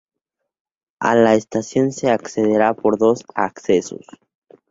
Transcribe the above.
A la estación se accederá por dos accesos.